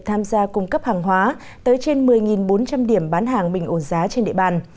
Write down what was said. tham gia cung cấp hàng hóa tới trên một mươi bốn trăm linh điểm bán hàng bình ổn giá trên địa bàn